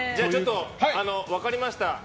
分かりました。